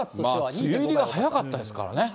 梅雨入りが早かったですからね。